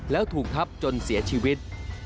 แล้วถูกทับจนเสียชีวิต